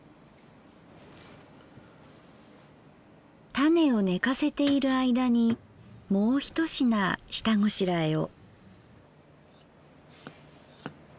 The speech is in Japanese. タネをねかせている間にもう一品下ごしらえを。